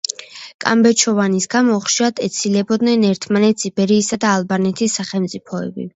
კამბეჩოვანის გამო ხშირად ეცილებოდნენ ერთმანეთს იბერიისა და ალბანეთის სახელმწიფოები.